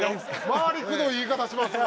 回りくどい言い方しますね。